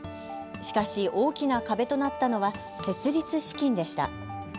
しかし大きな壁となったのは設立資金でした。